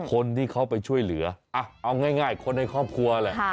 คนที่เขาไปช่วยเหลือเอาง่ายคนในครอบครัวแหละ